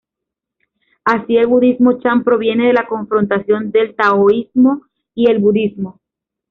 Así el Budismo Chan proviene de la confrontación del taoísmo y el budismo.